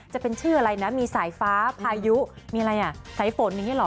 จะเป็นชื่ออะไรนะมีสายฟ้าพายุมีอะไรอ่ะสายฝนอย่างนี้หรอ